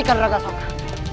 berhenti raka soekar